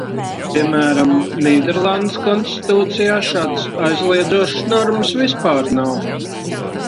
Piemēram, Nīderlandes konstitūcijā šādas aizliedzošas normas vispār nav.